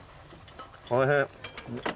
おいしい。